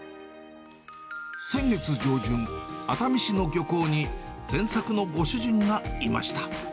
先月上旬、熱海市の漁港に、善作のご主人がいました。